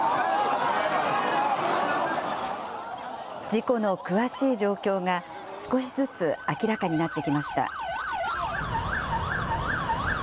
事故の詳しい状況が、少しずつ明らかになってきました。